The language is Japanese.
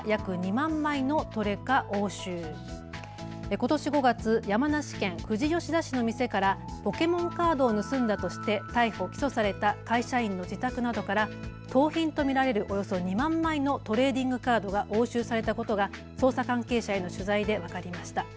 ことし５月、山梨県富士吉田市の店からポケモンカードを盗んだとして逮捕・起訴された会社員の自宅などから盗品と見られるおよそ２万枚のトレーディングカードが押収されたことが捜査関係者への取材で分かりました。